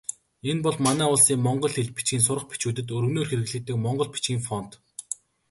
Энэ бол манай улсын монгол хэл, бичгийн сурах бичгүүдэд өргөнөөр хэрэглэдэг монгол бичгийн фонт.